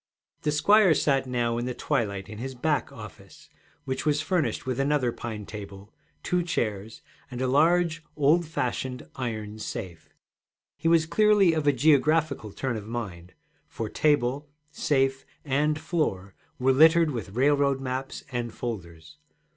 The squire sat now in the twilight in his 'back' office, which was furnished with another pine table, two chairs, and a large old fashioned iron safe. He was clearly of a geographical turn of mind, for table, safe, and floor were littered with railroad maps and folders.